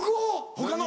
他の！